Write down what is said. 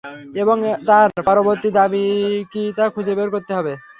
এবং তার পরবর্তী দাবি কি তা খুঁজে বের করতে হবে।